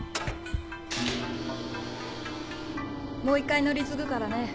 もう一回乗り継ぐからね。